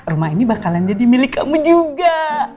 rumah ini bakalan jadi milik kamu juga